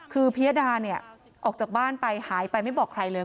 คือพิยดาเนี่ยออกจากบ้านไปหายไปไม่บอกใครเลย